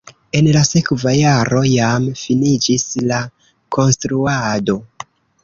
En la sekva jaro jam finiĝis la konstruado.